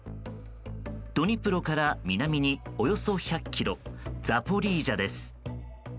ドニプロから南におよそ１００ｋｍザポリージャです。